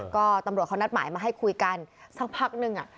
ก็ตำรวจเขานัดหมายมาให้คุยกันสักพักนึง